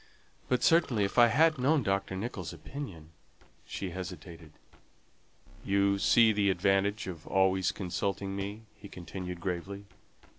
"But, certainly, if I had known Dr. Nicholls' opinion " she hesitated. "You see the advantage of always consulting me," he continued gravely.